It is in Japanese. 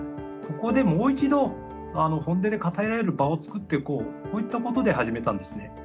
ここでもう一度本音で語り合える場を作ってこうこういったことで始めたんですね。